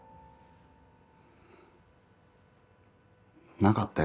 なかったよ